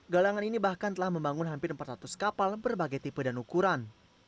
galangan ini bahkan telah membangun hampir empat ratus kapal berbagai tipe dan ukuran